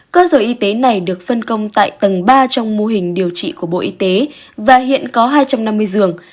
cơ sở y tế này được phân công tại tầng ba trong mô hình điều trị của bộ y tế và hiện có hai trăm năm mươi giường